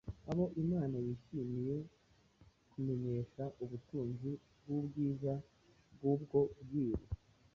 abo Imana yishimiye kumenyesha ubutunzi bw’ubwiza bw’ubwo bwiru,